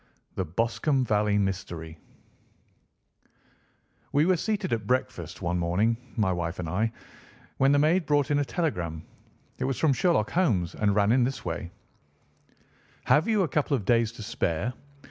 THE BOSCOMBE VALLEY MYSTERY We were seated at breakfast one morning, my wife and I, when the maid brought in a telegram. It was from Sherlock Holmes and ran in this way: "Have you a couple of days to spare?